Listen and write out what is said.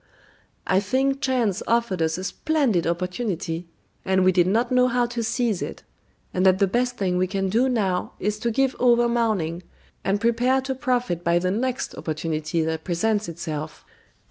"I think chance offered us a splendid opportunity, and we did not know how to seize it; and that the best thing we can do now is to give over mourning, and prepare to profit by the next opportunity that presents itself."